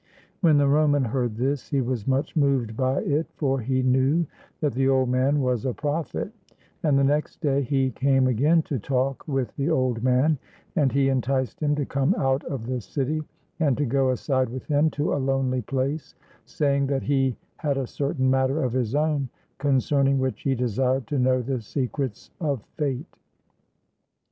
When the Roman heard this, he was much moved by it, for he knew that the old man was a prophet; and the next day he came again to talk with the old man, and he enticed him to come out of the city, and to go aside with him to a lonely place, saying that he had a certain matter of his own, concerning which he desired to know the secrets of Fate.